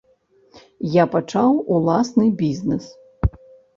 Я пачаў уласны бізнэс.